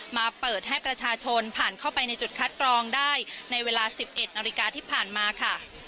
มาเปิดให้ประชาชนผ่านเข้าไปในจุดคัดกรองได้ในเวลา๑๑นาฬิกาที่ผ่านมาค่ะ